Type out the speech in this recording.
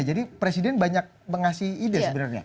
jadi presiden banyak mengasih ide sebenarnya